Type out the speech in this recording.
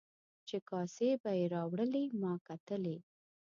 چې کاسې به یې راوړلې ما کتلې.